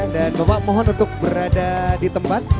dan bapak mohon untuk berada di tempat